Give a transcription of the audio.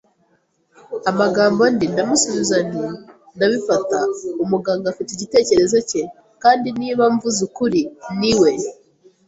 amagambo, ndi. ” Ndamusubiza nti: “Ndabifata, umuganga afite igitekerezo cye; kandi niba mvuze ukuri, niwe